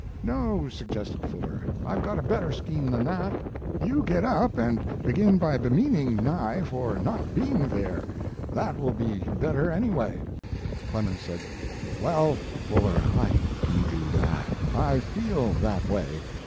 "No," suggested Fuller; "I've got a better scheme than that. You get up and begin by bemeaning Nye for not being there. That will be better anyway." Clemens said: "Well, Fuller, I can do that. I feel that way.